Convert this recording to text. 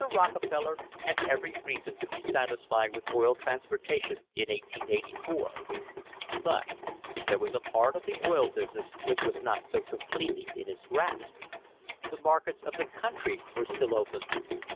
Rockefeller had every reason to be satisfied with oil transportation in 1884, but there was a part of the oil business which was not so completely in his grasp. The markets of the country were still open.